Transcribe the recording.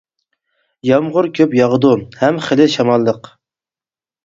يامغۇر كۆپ ياغىدۇ، ھەم خىلى شاماللىق.